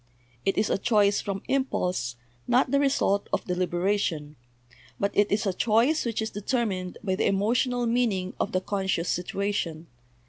It is a choice from impulse, not the result of deliberation; but it is a choice which is deter mined by the emotional meaning of the conscious situa tion.